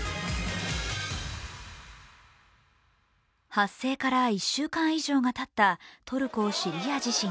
発生から１週間以上がたったトルコ・シリア地震。